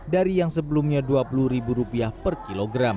dari yang sebelumnya rp dua puluh per kilogram